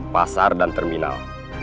pasar dan terminal